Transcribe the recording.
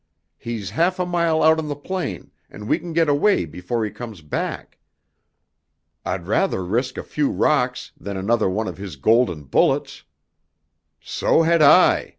He's half a mile out on the plain and we can get away before he comes back. I'd rather risk a few rocks than another one of his golden bullets!" "So had I!"